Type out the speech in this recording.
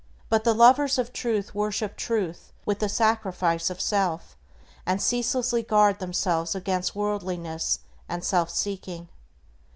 But the lovers of Truth worship Truth with the sacrifice of self, and ceaselessly guard themselves against worldliness and self seeking.